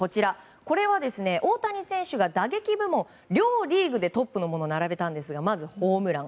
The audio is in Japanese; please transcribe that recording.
これは、大谷選手が打撃部門両リーグでトップのものを並べましたがまずホームラン。